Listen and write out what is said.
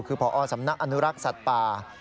คือพอสำนักอนุรักษ์สัตว์ป่า